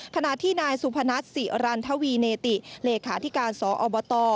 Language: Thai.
ขณะที่นายสุพนัทศิรันทวีเนติเลขาธิการสอบต